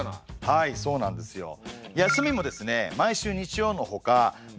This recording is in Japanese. はいそうなんですよ。え！